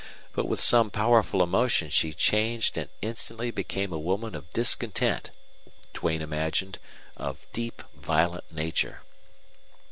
But with some powerful emotion she changed and instantly became a woman of discontent, Duane imagined, of deep, violent nature.